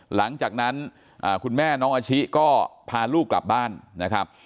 หลังจากนั้นคุณแม่น้องอาชิก็พาลูกกลับบ้านนะครับ